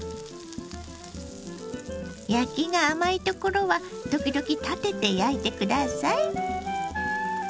焼きが甘いところは時々立てて焼いて下さい。